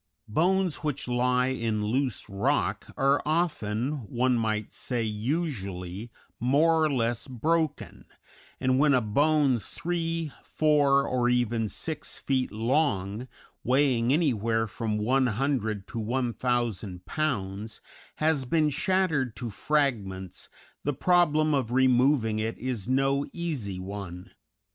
Bones which lie in loose rock are often, one might say usually, more or less broken, and when a bone three, four, or even six feet long, weighing anywhere from 100 to 1,000 pounds, has been shattered to fragments the problem of removing it is no easy one.